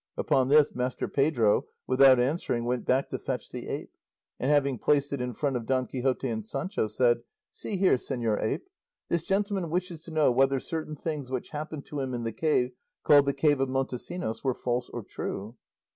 Upon this Master Pedro, without answering, went back to fetch the ape, and, having placed it in front of Don Quixote and Sancho, said: "See here, señor ape, this gentleman wishes to know whether certain things which happened to him in the cave called the cave of Montesinos were false or true."